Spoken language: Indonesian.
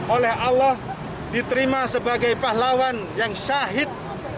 oleh allah diterima sebagai pahlawan yang syahid